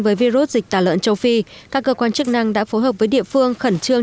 với virus dịch tả lợn châu phi các cơ quan chức năng đã phối hợp với địa phương khẩn trương